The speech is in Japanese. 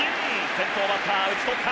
先頭バッター打ち取った。